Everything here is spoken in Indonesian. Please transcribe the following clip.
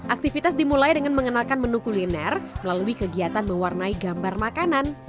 aktivitas dimulai dengan mengenalkan menu kuliner melalui kegiatan mewarnai gambar makanan